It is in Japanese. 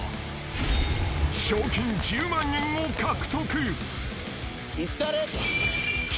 ［賞金１０万円を獲得］